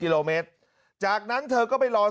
การนอนไม่จำเป็นต้องมีอะไรกัน